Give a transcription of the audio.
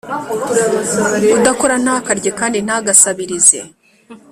udakora ntakarye kandi ntagasabirize